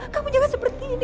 kamu jangan seperti ini